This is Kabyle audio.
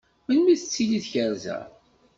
Melmi i d-tettili tkerza?